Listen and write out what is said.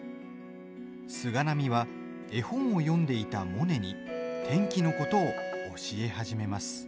菅波は絵本を読んでいたモネに天気のことを教え始めます。